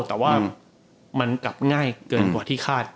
แต่ว่ามันกลับง่ายเกินกว่าที่คาด